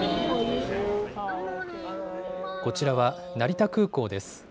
こちらは成田空港です。